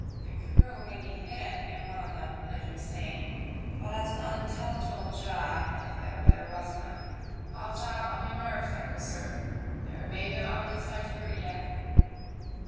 The crew may be hidden in one of them, as you say; but it's an unintelligible job, if ever there was one. Haul taut on your nerve tackles, sir, for there may be an ugly sight to greet ye."